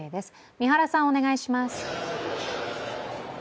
三原さん、お願いします。